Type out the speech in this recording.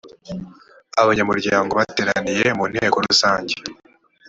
abanyamuryango bateraniye mu nteko rusange